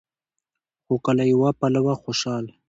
خو که له يوه پلوه خوشال